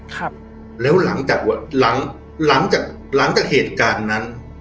ครับแล้วหลังจากหลังหลังจากหลังจากหลังจากเหตุการณ์นั้น